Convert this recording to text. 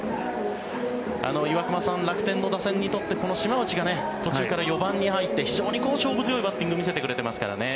岩隈さん、楽天の打線にとってこの島内が途中から４番に入って非常に勝負強いバッティングを見せてくれてますからね。